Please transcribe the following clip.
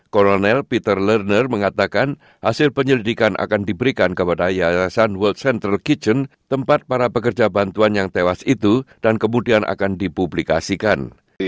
kolonel peter lerner mengatakan hasil penyelidikan akan diberikan kepada yayasan world central kitchen tempat para pekerja bantuan yang tewas itu dan kemudian akan dipublikasikan